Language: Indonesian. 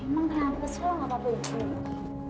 emang kenapa selalu ngapa bunyi